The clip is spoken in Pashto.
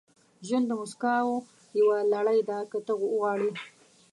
• ژوند د موسکاو یوه لړۍ ده، که ته وغواړې.